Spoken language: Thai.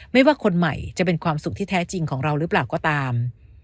ไม่ว่าคนใหม่จะเป็นความสุขที่แท้จริงของเราหรือเปล่าก็ตาม